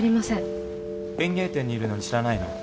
園芸店にいるのに知らないの？